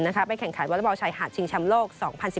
ในแข่งขันวอลเลอร์เบาส์ชายหาดชิงแชมป์โลก๒๐๑๙